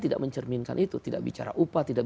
tidak mencerminkan itu tidak bicara upah tidak